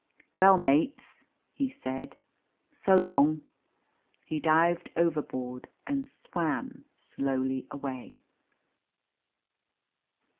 "Well, mates," he said, "so long!" He dived overboard and swam slowly away.